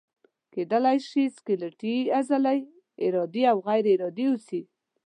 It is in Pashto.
کیدای شي سکلیټي عضلې ارادي او یا غیر ارادي اوسي.